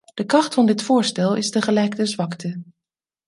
De kracht van dit voorstel is tegelijk de zwakte.